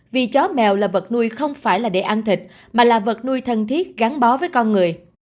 vì chó mèo là vật nuôi không phải là để ăn thịt mà là vật nuôi thân thiết gắn bó với con người